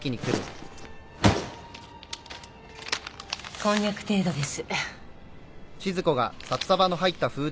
こんにゃく程度です。